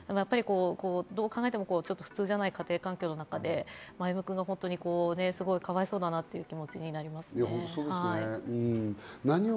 どう考えても普通じゃない家庭環境の中で歩夢くんがすごいかわいそうだなという気持ちになりますね。